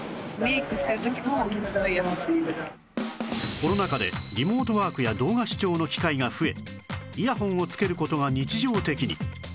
コロナ禍でリモートワークや動画視聴の機会が増えイヤホンをつける事が日常的に